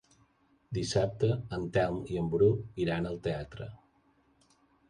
Dissabte en Telm i en Bru iran al teatre.